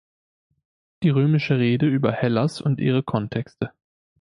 Die römische Rede über Hellas und ihre Kontexte".